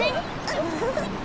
ウフフ。